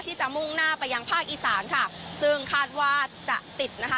ที่จะมุ่งหน้าไปยังภาคอีสานค่ะซึ่งคาดว่าจะติดนะคะ